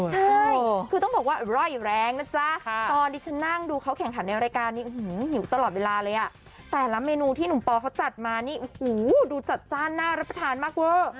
ใช่คือต้องบอกว่าร่อยแรงนะจ๊ะตอนที่ฉันนั่งดูเขาแข่งขันในรายการนี้หิวตลอดเวลาเลยอ่ะแต่ละเมนูที่หนุ่มปอเขาจัดมานี่โอ้โหดูจัดจ้านน่ารับประทานมากเวอร์